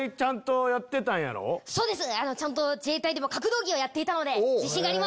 そうです。